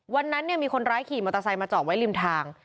วันนั้นมีคนร้ายขี่มอเตอร์ไซค์มาจอดไว้ริมทาง